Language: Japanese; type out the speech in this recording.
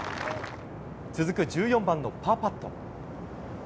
続く１４番のパーパット。